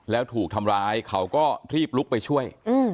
แล้วถูกทำร้ายเขาก็รีบลุกไปช่วย